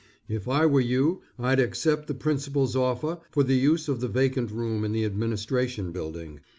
If I were you, I'd accept the principal's offer for the use of the vacant room in the Administration Building.